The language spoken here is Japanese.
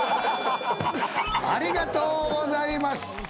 ありがとうございます。